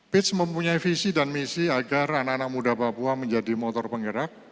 pitch mempunyai visi dan misi agar anak anak muda papua menjadi motor penggerak